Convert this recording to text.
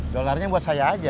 dollarnya buat saya aja